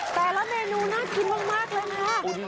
แต่ละเมนูน่ากินมากเลยนะคะ